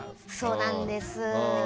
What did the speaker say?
そうなんです。